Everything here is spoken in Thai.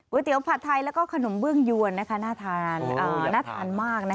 เวตเตี๋ยวผัดไทยและขนมเบื้องยวนน่าทานน่าทานมาก